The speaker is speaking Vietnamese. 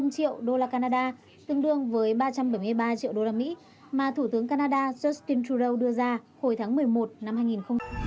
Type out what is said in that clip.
năm trăm linh triệu usd tương đương với ba trăm bảy mươi ba triệu usd mà thủ tướng canada justin trudeau đưa ra hồi tháng một mươi một năm hai nghìn hai mươi